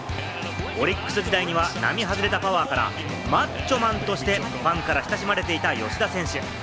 オリックス時代には並外れたパワーから、マッチョマンとしてファンから親しまれていた吉田選手。